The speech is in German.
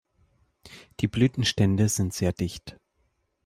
Die Blütenstände sind sehr dicht.